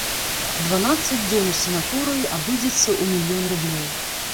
Дванаццаць дзён у санаторыі абыдзецца ў мільён рублёў.